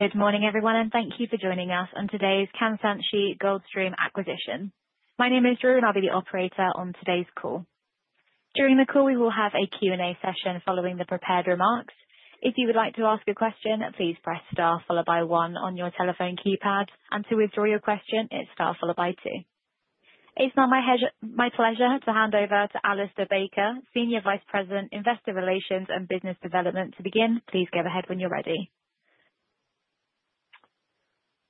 Good morning, everyone, and thank you for joining us on today's Kansanshi Gold Stream acquisition. My name is Ru, and I'll be the operator on today's call. During the call, we will have a Q&A session following the prepared remarks. If you would like to ask a question, please press star, followed by one on your telephone keypad. To withdraw your question, it's star, followed by two. It's now my pleasure to hand over to Alistair Baker, Senior Vice President, Investor Relations and Business Development. To begin, please go ahead when you're ready.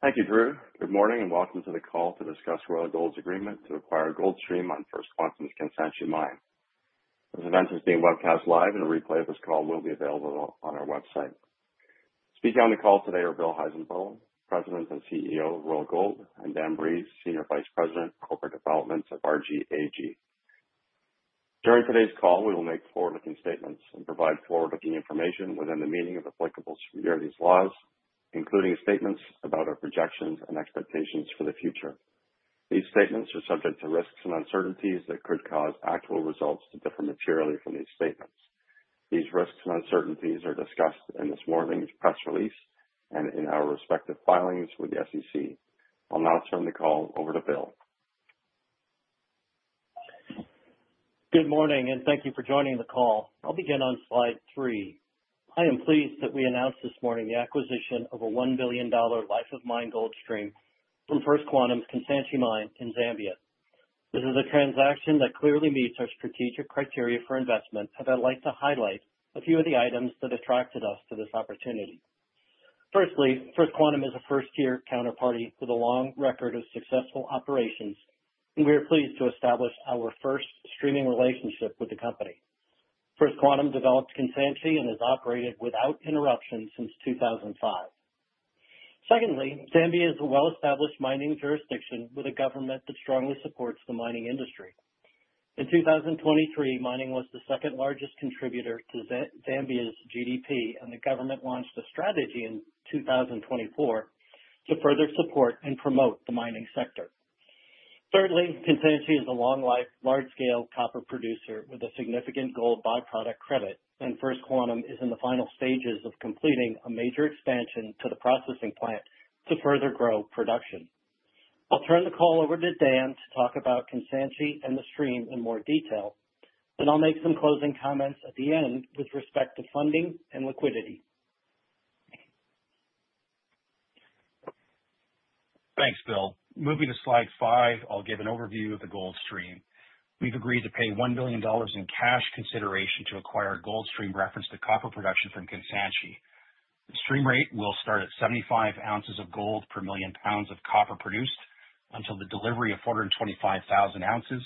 Thank you, Ru. Good morning and welcome to the call to discuss Royal Gold's agreement to acquire the gold stream on First Quantum Kansanshi mine. This event is being webcast live, and a replay of this call will be available on our website. Speaking on the call today are Bill Heissenbuttel, President and CEO of Royal Gold, and Dan Breeze, Senior Vice President, Corporate Development at RGAG. During today's call, we will make forward-looking statements and provide forward-looking information within the meaning of applicable securities laws, including statements about our projections and expectations for the future. These statements are subject to risks and uncertainties that could cause actual results to differ materially from these statements. These risks and uncertainties are discussed in this morning's press release and in our respective filings with the SEC. I'll now turn the call over to Bill. Good morning, and thank you for joining the call. I'll begin on slide three. I am pleased that we announced this morning the acquisition of a $1 billion life-of-mine gold stream from First Quantum Kansanshi mine in Zambia. This is a transaction that clearly meets our strategic criteria for investment, and I'd like to highlight a few of the items that attracted us to this opportunity. Firstly, First Quantum is a first-tier counterparty with a long record of successful operations, and we are pleased to establish our first streaming relationship with the company. First Quantum developed Kansanshi and has operated without interruption since 2005. Secondly, Zambia is a well-established mining jurisdiction with a government that strongly supports the mining industry. In 2023, mining was the second largest contributor to Zambia's GDP, and the government launched a strategy in 2024 to further support and promote the mining sector. Thirdly, Kansanshi is a long-life, large-scale copper producer with a significant gold byproduct credit, and First Quantum is in the final stages of completing a major expansion to the processing plant to further grow production. I'll turn the call over to Dan to talk about Kansanshi and the stream in more detail, and I'll make some closing comments at the end with respect to funding and liquidity. Thanks, Bill. Moving to slide five, I'll give an overview of the gold stream. We've agreed to pay $1 billion in cash consideration to acquire a gold stream referenced to copper production from Kansanshi. The stream rate will start at 75 ounces of gold per million pounds of copper produced until the delivery of 425,000 ounces,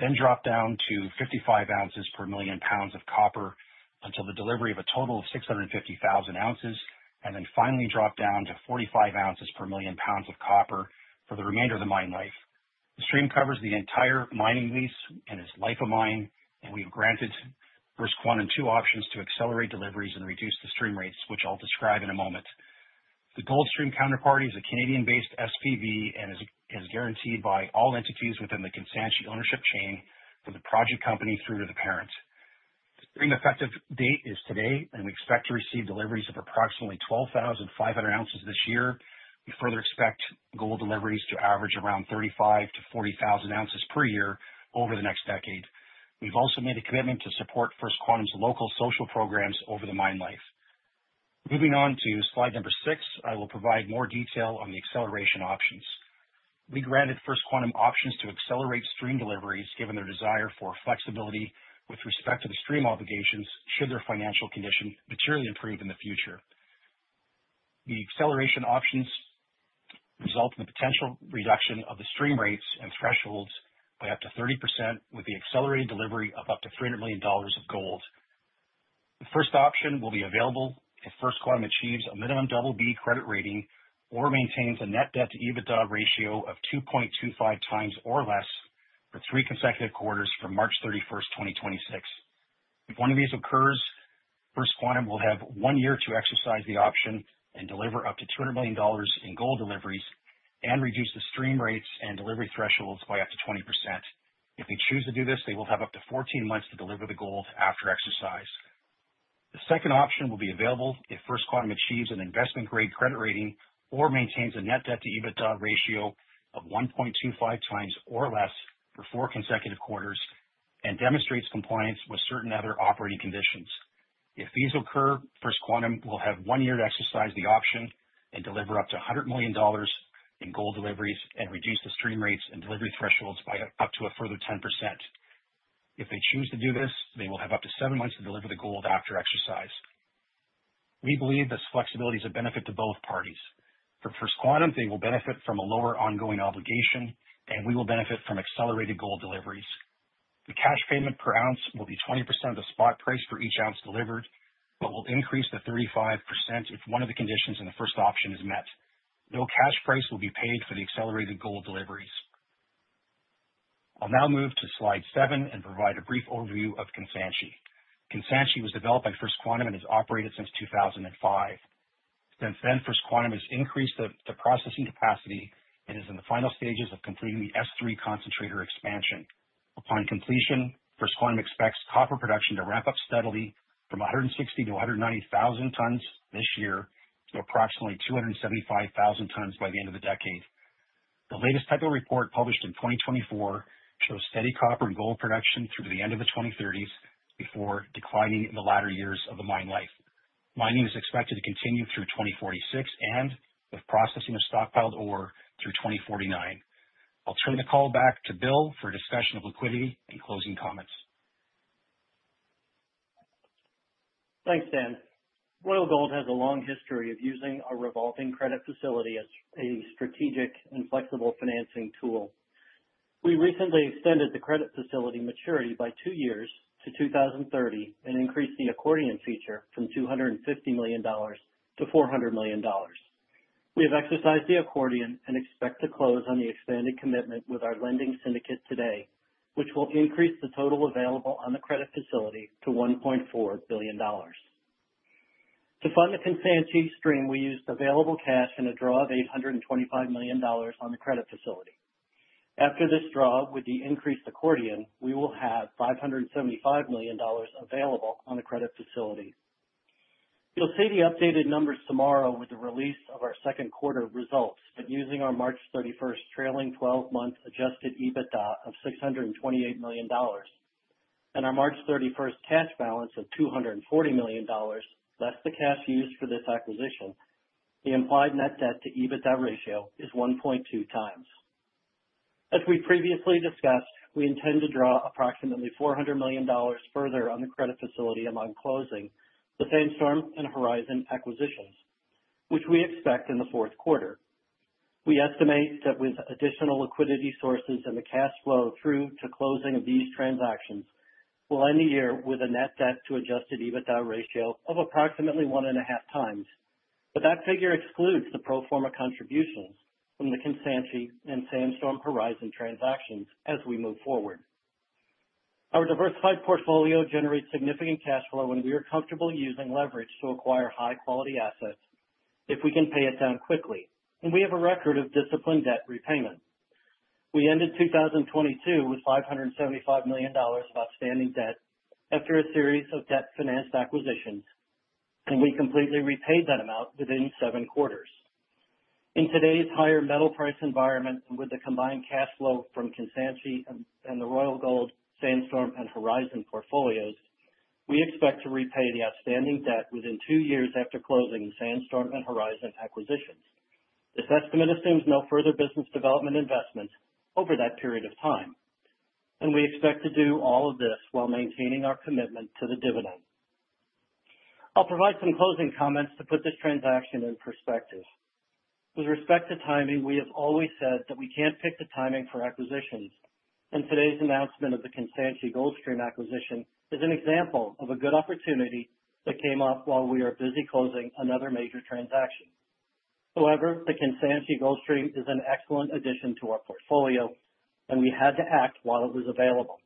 then drop down to 55 ounces per million pounds of copper until the delivery of a total of 650,000 ounces, and then finally drop down to 45 ounces per million pounds of copper for the remainder of the mine life. The stream covers the entire mining lease and is life-of-mine, and we've granted First Quantum two options to accelerate deliveries and reduce the stream rates, which I'll describe in a moment. The gold stream counterparty is a Canadian-based SPV and is guaranteed by all entities within the Kansanshi ownership chain from the project company through to the parent. The stream effective date is today, and we expect to receive deliveries of approximately 12,500 ounces this year. We further expect gold deliveries to average around 35,000 - 40,000 ounces per year over the next decade. We've also made a commitment to support First Quantum local social programs over the mine life. Moving on to slide number six, I will provide more detail on the acceleration options. We granted First Quantum options to accelerate stream deliveries given their desire for flexibility with respect to the stream obligations should their financial condition materially improve in the future. The acceleration options result in the potential reduction of the stream rates and thresholds by up to 30% with the accelerated delivery of up to $300 million of gold. The first option will be available if First Quantum achieves a minimum double B credit rating or maintains a net debt to adjusted EBITDA ratio of 2.25 times or less for three consecutive quarters from March 31st, 2026. If one of these occurs, First Quantum will have one year to exercise the option and deliver up to $200 million in gold deliveries and reduce the stream rates and delivery thresholds by up to 20%. If they choose to do this, they will have up to 14 months to deliver the gold after exercise. The second option will be available if First Quantum achieves an investment-grade credit rating or maintains a net debt to adjusted EBITDA ratio of 1.25 times or less for four consecutive quarters and demonstrates compliance with certain other operating conditions. If these occur, First Quantum will have one year to exercise the option and deliver up to $100 million in gold deliveries and reduce the stream rates and delivery thresholds by up to a further 10%. If they choose to do this, they will have up to seven months to deliver the gold after exercise. We believe this flexibility is a benefit to both parties. For First Quantum, they will benefit from a lower ongoing obligation, and we will benefit from accelerated gold deliveries. The cash payment per ounce will be 20% of the spot price for each ounce delivered, but will increase to 35% if one of the conditions in the first option is met. No cash price will be paid for the accelerated gold deliveries. I'll now move to slide seven and provide a brief overview of Kansanshi. Kansanshi was developed by First Quantum and has operated since 2005. Since then, First Quantum has increased the processing capacity and is in the final stages of completing the S3 concentrator expansion. Upon completion, First Quantum expects copper production to ramp up steadily from 160,000 - 190,000 tons this year to approximately 275,000 tons by the end of the decade. The latest technical report published in 2024 shows steady copper and gold production through the end of the 2030s before declining in the latter years of the mine life. Mining is expected to continue through 2046 with processing of stockpiled ore through 2049. I'll turn the call back to Bill for a discussion of liquidity and closing comments. Thanks, Dan. Royal Gold has a long history of using a revolving credit facility as a strategic and flexible financing tool. We recently extended the credit facility maturity by two years to 2030 and increased the accordion feature from $250 million to $400 million. We have exercised the accordion and expect to close on the expanded commitment with our lending syndicate today, which will increase the total available on the credit facility to $1.4 billion. To fund the Kansanshi stream, we used available cash and a draw of $825 million on the credit facility. After this draw with the increased accordion, we will have $575 million available on the credit facility. You'll see the updated numbers tomorrow with the release of our second quarter results, but using our March 31st trailing 12-month adjusted EBITDA of $628 million and our March 31st cash balance of $240 million, less the cash used for this acquisition, the implied net debt to EBITDA ratio is 1.2 times. As we previously discussed, we intend to draw approximately $400 million further on the credit facility upon closing within the Sandstorm and Horizon acquisitions, which we expect in the fourth quarter. We estimate that with additional liquidity sources and the cash flow through to closing of these transactions, we'll end the year with a net debt to adjusted EBITDA ratio of approximately 1.5 times. That figure excludes the pro forma contributions from the Kansanshi and Sandstorm Horizon transactions as we move forward. Our diversified portfolio generates significant cash flow and we are comfortable using leverage to acquire high-quality assets if we can pay it down quickly, and we have a record of disciplined debt repayment. We ended 2022 with $575 million of outstanding debt after a series of debt-financed acquisitions, and we completely repaid that amount within seven quarters. In today's higher metal price environment and with the combined cash flow from Kansanshi and the Royal Gold, Sandstorm, and Horizon portfolios, we expect to repay the outstanding debt within two years after closing Sandstorm and Horizon acquisitions. This estimate assumes no further business development investment over that period of time, and we expect to do all of this while maintaining our commitment to the dividend. I'll provide some closing comments to put this transaction in perspective. With respect to timing, we have always said that we can't fix the timing for acquisitions, and today's announcement of the Kansanshi gold stream acquisition is an example of a good opportunity that came up while we are busy closing another major transaction. However, the Kansanshi gold stream is an excellent addition to our portfolio, and we had to act while it was available.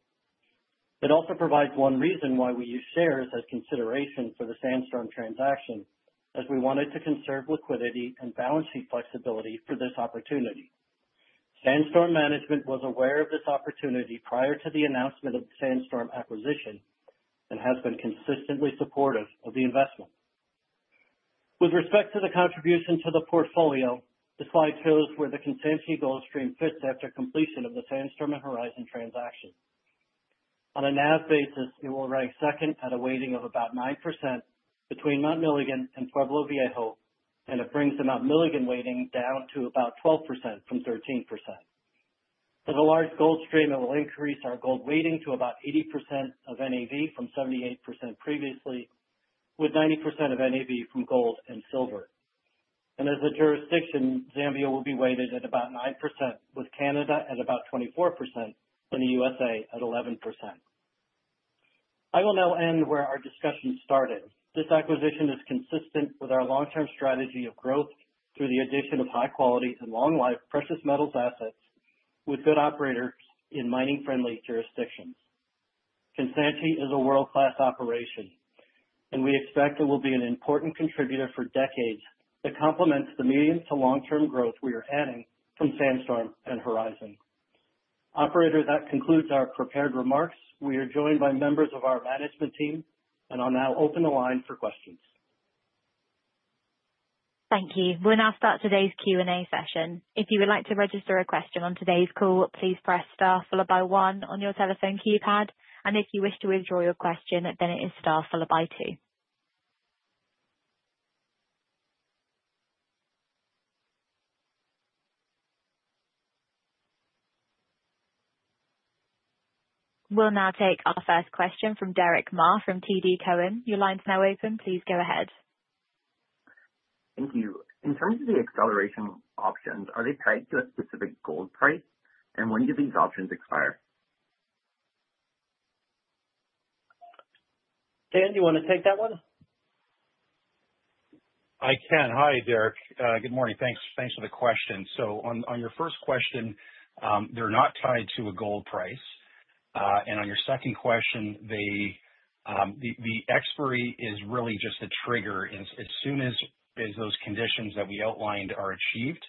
It also provides one reason why we use shares as consideration for the Sandstorm transaction, as we wanted to conserve liquidity and balance sheet flexibility for this opportunity. Sandstorm management was aware of this opportunity prior to the announcement of the Sandstorm acquisition and has been consistently supportive of the investment. With respect to the contribution to the portfolio, the slide shows where the Kansanshi gold stream fits after completion of the Sandstorm and Horizon transaction. On a NAV basis, it will rise second at a weighting of about 9% between Mount Milligan and Pueblo Viejo, and it brings the Mount Milligan weighting down to about 12% from 13%. As a large gold stream, it will increase our gold weighting to about 80% of NAV from 78% previously, with 90% of NAV from gold and silver. As a jurisdiction, Zambia will be weighted at about 9%, with Canada at about 24%, and the USA at 11%. I will now end where our discussion started. This acquisition is consistent with our long-term strategy of growth through the addition of high-quality and long-life precious metals assets with good operators in mining-friendly jurisdictions. Kansanshi is a world-class operation, and we expect it will be an important contributor for decades that complements the medium to long-term growth we are adding from Sandstorm and Horizon. Operator, that concludes our prepared remarks. We are joined by members of our management team and I'll now open the line for questions. Thank you. We'll now start today's Q&A session. If you would like to register a question on today's call, please press star, followed by one on your telephone keypad. If you wish to withdraw your question, then it is star, followed by two. We'll now take our first question from Derick Ma from TD Cowen. Your line's now open. Please go ahead. Thank you. In terms of the acceleration options, are they tied to a specific gold price? When do these options expire? Dan, you want to take that one? Hi, Derick. Good morning. Thanks for the question. On your first question, they're not tied to a gold price. On your second question, the expiry is really just a trigger. As soon as those conditions that we outlined are achieved,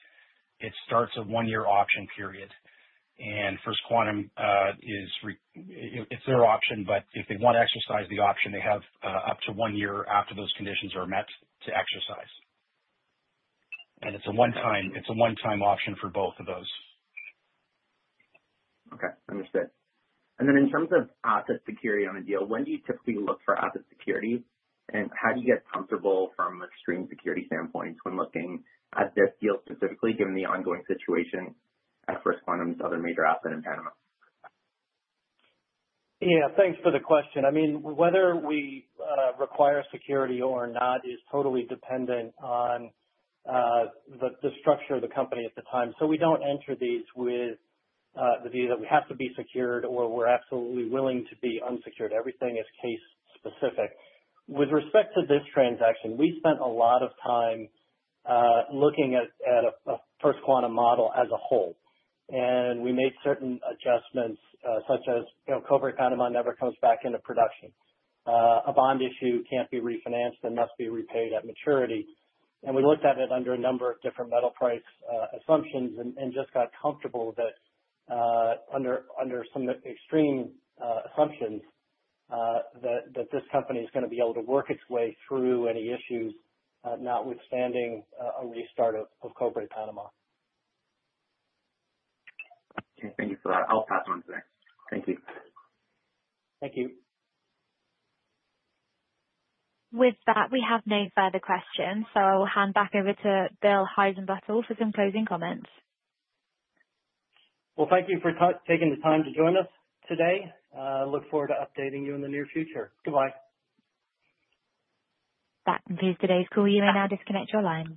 it starts a one-year option period. First Quantum, it's their option, but if they want to exercise the option, they have up to one year after those conditions are met to exercise. It's a one-time option for both of those. Okay. Understood. In terms of asset security on the deal, when do you typically look for asset security? How do you get comfortable from a stream security standpoint when looking at this deal specifically, given the ongoing situation at First Quantum other major asset in Panama? Yeah, thanks for the question. Whether we require security or not is totally dependent on the structure of the company at the time. We don't enter these with the view that we have to be secured or we're absolutely willing to be unsecured. Everything is case-specific. With respect to this transaction, we spent a lot of time looking at a First Quantum model as a whole. We made certain adjustments, such as, you know, Cobre Panama never comes back into production, a bond issue can't be refinanced and must be repaid at maturity. We looked at it under a number of different metal price assumptions and just got comfortable that under some extreme assumptions this company is going to be able to work its way through any issues, notwithstanding a restart of Cobre Panama. Okay. Thank you for that. I'll pass on to that. Thank you. Thank you. With that, we have no further questions. I will hand back over to Bill Heissenbuttel for some closing comments. Thank you for taking the time to join us today. I look forward to updating you in the near future. Goodbye. That concludes today's call. You may now disconnect your line.